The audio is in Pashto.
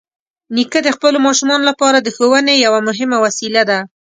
نیکه د خپلو ماشومانو لپاره د ښوونې یوه مهمه وسیله ده.